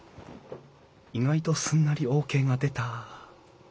意外とすんなりＯＫが出た。